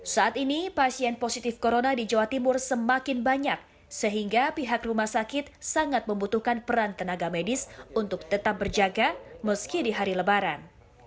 saat ini pasien positif corona di jawa timur semakin banyak sehingga pihak rumah sakit sangat membutuhkan peran tenaga medis untuk tetap berjaga meski di hari lebaran